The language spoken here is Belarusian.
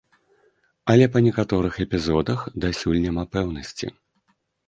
Але па некаторых эпізодах дасюль няма пэўнасці.